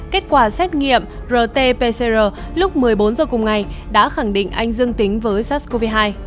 kết quả xét nghiệm rt pcr lúc một mươi bốn h cùng ngày đã khẳng định anh dương tính với sars cov hai